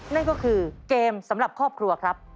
นั่นก็คือเกมสำหรับครอบครัวครับ